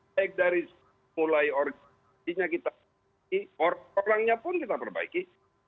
baik dari mulai organisasinya kita orangnya pun kita perbaiki